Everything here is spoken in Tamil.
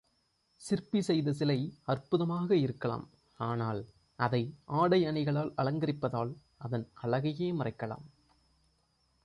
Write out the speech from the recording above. சிற்பி செய்த சிலை அற்புதமாக இருக்கலாம் ஆனால், அதை ஆடை அணிகளால் அலங்கரிப்பதால் அதன் அழகையே மறைக்கலாம்.